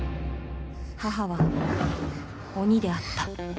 「母は鬼であった」